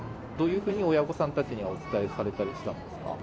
どういうふうに親御さんたちにはお伝えされたりしたんですか？